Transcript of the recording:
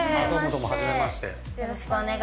どうもはじめまして。